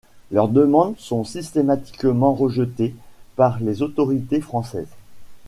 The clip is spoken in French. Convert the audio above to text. Leurs demandes sont systématiquement rejetées par les autorités françaises.